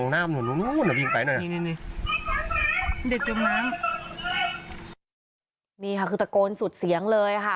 นี่ค่ะคือตะโกนสุดเสียงเลยค่ะ